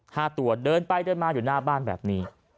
ห้าตัวเดินไปเดินมาอยู่หน้าบ้านแบบนี้